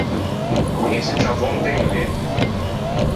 Ëse ciavou inte un letto.